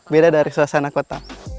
beda dari suasana kota